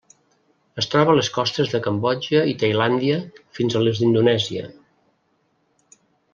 Es troba a les costes de Cambodja i Tailàndia fins a les d'Indonèsia.